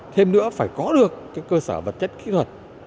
thêm nữa phải có được cơ sở vật chất kỹ thuật